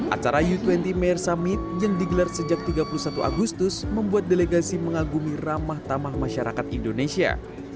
acara u dua puluh mayor summit yang digelar sejak tiga puluh satu agustus membuat delegasi mengagumi ramah tamah masyarakat indonesia